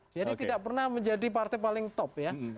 jadi tidak pernah menjadi partai paling top ya